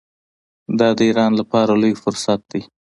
دا د ایران لپاره لوی فرصت دی.